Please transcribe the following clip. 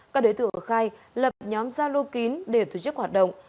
các đối tượng khai lập nhóm gia lô kín để tổ chức hoạt động